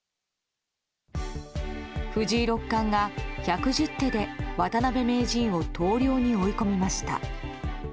藤井六冠が１１０手で渡辺名人を投了に追い込むみました。